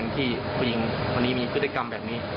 หวังที่ผู้หญิงวันนี้มีกิจกรรมแบบนี้